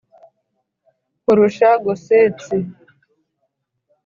Nkurusha Gossensi,